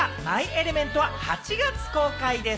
映画『マイ・エレメント』は８月公開です。